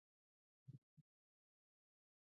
د علامه رشاد لیکنی هنر مهم دی ځکه چې اړیکې پیاوړې کوي.